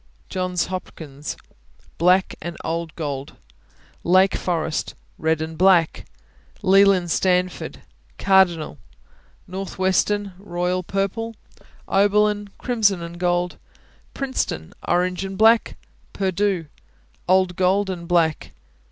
Johns Hopkins Black and old gold. Lake Forest Red and black. Leland Stanford Cardinal. Northwestern Royal Purple. Oberlin Crimson and gold Princeton Orange and black. Purdue Old gold and black.